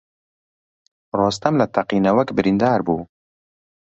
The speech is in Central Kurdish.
ڕۆستەم لە تەقینەوەک بریندار بوو.